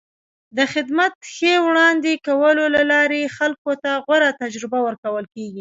د خدمت ښې وړاندې کولو له لارې خلکو ته غوره تجربه ورکول کېږي.